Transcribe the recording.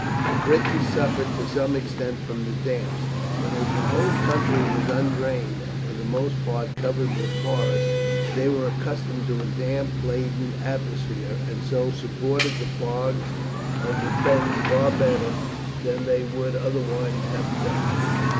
The Britons suffered to some extent from the damps; but as the whole country was undrained, and for the most part covered with forest, they were accustomed to a damp laden atmosphere, and so supported the fogs of the Fens far better than they would otherwise have done.